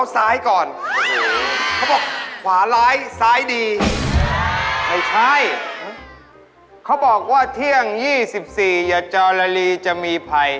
ศิลปะพวกนี้ศิลปะ